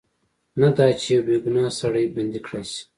نه دا چې یو بې ګناه سړی بندي کړای شي.